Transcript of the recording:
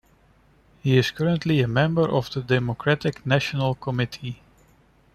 He is currently a member of the Democratic National Committee.